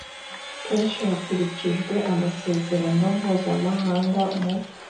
kenshi hakurikijwe amasezerano mpuzamahanga mu